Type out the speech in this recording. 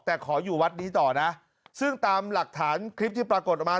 แต่ขออยู่วัดนี้ต่อนะซึ่งตามหลักฐานคลิปที่ปรากฏออกมา